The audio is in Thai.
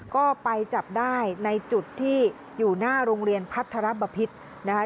ก็ไปจับได้ในจุดที่อยู่หน้าโรงเรียนพัทรบพิษนะคะ